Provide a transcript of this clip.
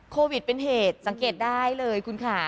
โควิดเป็นเหตุสังเกตได้เลยคุณค่ะ